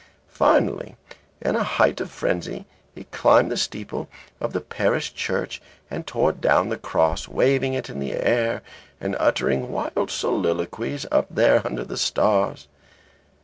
Finally in a height of frenzy he climbed the steeple of the Parish Church and tore down the cross, waving it in the air, and uttering wild soliloquies up there under the stars.